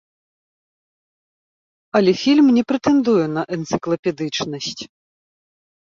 Але фільм не прэтэндуе на энцыклапедычнасць.